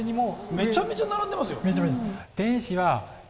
めちゃめちゃ並んでますよ。